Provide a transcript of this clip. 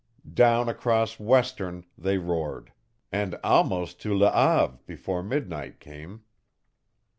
Down across Western they roared, and almost to Le Have before midnight came.